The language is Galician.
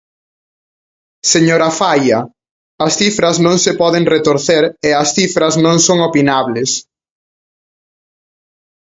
Señora Faia, as cifras non se poden retorcer e as cifras non son opinables.